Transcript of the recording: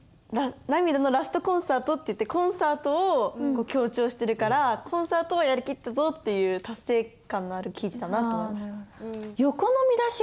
「涙のラストコンサート」っていってコンサートを強調してるから「コンサートはやりきったぞ」っていう達成感のある記事だなと思いました。